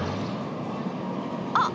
あっ！